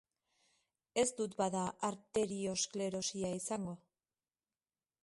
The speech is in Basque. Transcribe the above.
Ez dut, bada, arteriosklerosia izango?